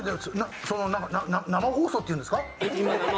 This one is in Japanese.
なっ、生放送っていうんですか？